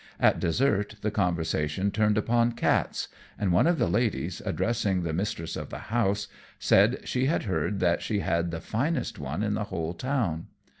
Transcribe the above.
At dessert the conversation turned upon cats; and one of the ladies, addressing the mistress of the house, said she had heard that she had the finest one in the whole town.